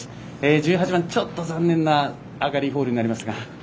１８番、残念な上がりホールになりましたが。